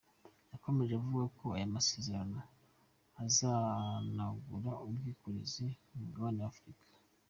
Yakomeje avuga ko aya masezerano azanagura ubwikorezi ku mugabane w’Afurika.